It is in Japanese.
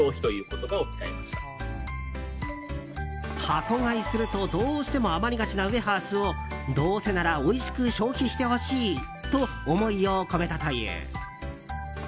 箱買いすると、どうしても余りがちなウエハースをどうせならおいしく消費してほしいと思いを込めたという。